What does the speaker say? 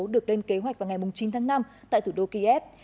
được lên kế hoạch vào ngày chín tháng năm tại thủ đô kiev